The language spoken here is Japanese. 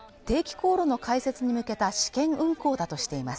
定期航路の開設に向けた試験運航だとしています。